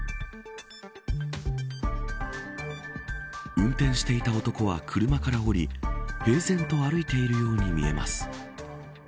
運転していた男は車から降り平然と歩いているように見えます。